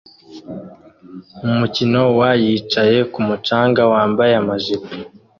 Umukino wa yicaye kumu canga wambaye amajipo